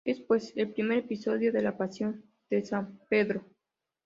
Es, pues, el primer episodio de la pasión de San Pedro.